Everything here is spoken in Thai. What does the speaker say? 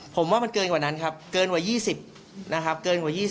ผมว่ามันเกินกว่านั้นครับเกินกว่า๒๐